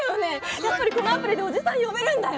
やっぱりこのアプリでおじさん呼べるんだよ。